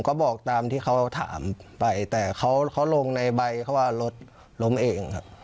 ก็บอกตามที่เขาถามไปแต่เขาลงในใบเขาว่ารถล้มเองครับ